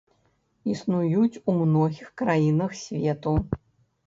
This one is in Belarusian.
Існуюць у многіх краінах свету.